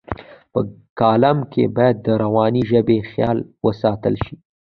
په کالم کې باید د روانې ژبې خیال وساتل شي.